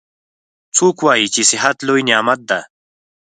څوک وایي چې صحت لوی نعمت ده